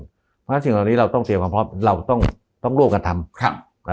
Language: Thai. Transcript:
เพราะฉะนั้นสิ่งเหล่านี้เราต้องเตรียมความพร้อมเราต้องร่วมกันทำ